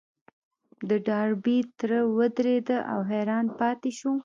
د ډاربي تره ودرېد او حيران پاتې شو.